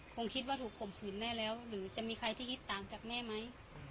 คงคิดว่าถูกข่มขืนแม่แล้วหรือจะมีใครที่คิดต่างจากแม่ไหม